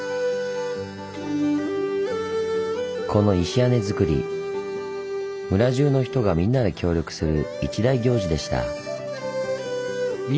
この石屋根づくり村じゅうの人がみんなで協力する一大行事でした。